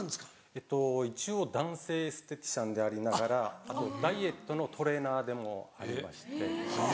えっと一応男性エステティシャンでありながらあとダイエットのトレーナーでもありまして。